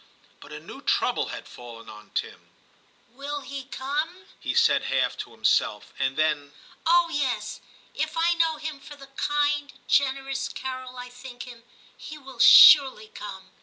But a new trouble had fallen on Tim. ' Will he come }' he said half to himself ; and then, 'Oh yes. If I know him for the kind, generous Carol I think him, he will surely come.'